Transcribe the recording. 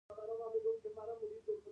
علامه حبیبي د مورخینو ترمنځ دروند نوم لري.